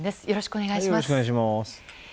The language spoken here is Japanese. よろしくお願いします。